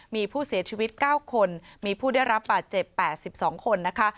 มีผู้เสียชีวิต๙คนมีผู้ได้รับบาดเจ็บ๘๒คนนะคะ